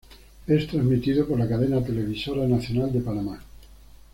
Es transmitido por la cadena Televisora Nacional de Panamá.